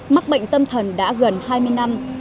mắc bệnh tâm thần đã gần hai mươi năm